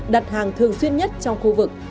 đặt hàng thường xuyên nhất trong khu vực